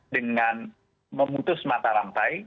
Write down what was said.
dengan memutus mata rantai